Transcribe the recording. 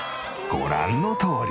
ご覧のとおり。